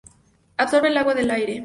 Absorbe el agua del aire.